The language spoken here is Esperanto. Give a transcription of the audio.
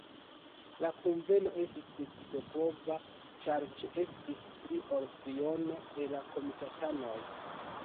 La kunveno estis decidopova, ĉar ĉeestis pli ol triono el la komitatanoj.